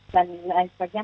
dan lain sebagainya